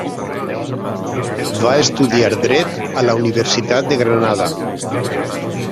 Va estudiar Dret a la Universitat de Granada.